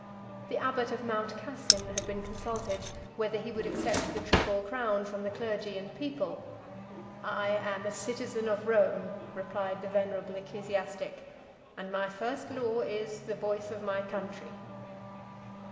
The abbot of Mount Cassin had been consulted, whether he would accept the triple crown 62 from the clergy and people: "I am a citizen of Rome," 63 replied that venerable ecclesiastic, "and my first law is, the voice of my country."